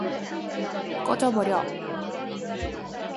꺼져 버려!